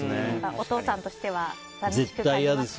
お父さんとしては寂しくなりますか。